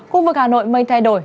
khu vực hà nội mây thay đổi